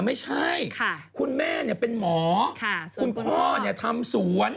อ๋อแยกชื่อซะ